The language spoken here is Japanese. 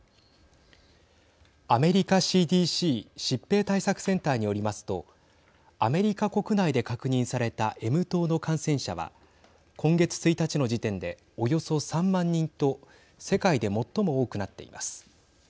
アメリカＣＤＣ＝疾病対策センターによりますとアメリカ国内で確認されたＭ痘の感染者は今月１日の時点でおよそ３万人と世界で最も多くなっています。